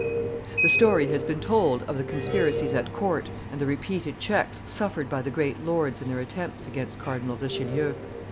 The story has been told of the conspiracies at court and the repeated checks suffered by the great lords in their attempts against Cardinal Richelieu.